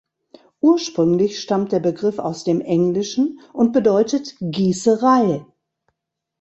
Ursprünglich stammt der Begriff aus dem Englischen und bedeutet Gießerei.